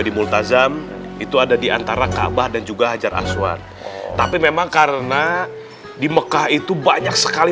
di multazam itu ada diantara kaabah dan juga hajar aswan tapi memang karena di mekah itu banyak sekali